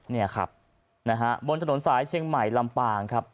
นี่ครับบนถนนสายเชียงใหม่ลำปาง